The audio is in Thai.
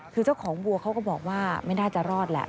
คือเจ้าของวัวเขาก็บอกว่าไม่น่าจะรอดแหละ